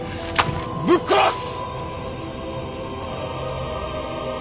ぶっ殺す！